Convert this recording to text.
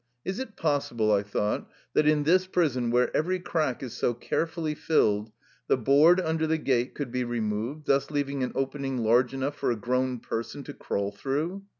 "Is it possible,'^ I thought, "that in this prison, where every crack is so carefully filled, the board under the gate could be re moved, thus leaving an opening large enough for a grown person to crawl through?"